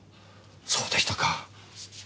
そうでしたか。